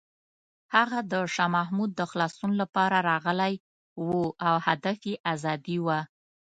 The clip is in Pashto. هغه د شاه محمود د خلاصون لپاره راغلی و او هدف یې ازادي وه.